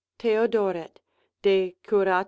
Theodoret. de curat.